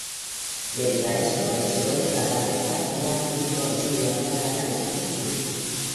Debido a esto, se vuelve capaz de razonar y consigue aplacar a la multitud.